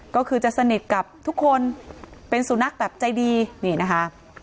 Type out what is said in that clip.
ก็คือจะสนิทกับทุกคนเป็นสุนัขแบบใจดีนี่นะคะ